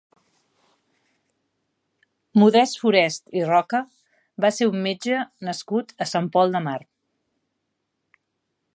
Modest Furest i Roca va ser un metge nascut a Sant Pol de Mar.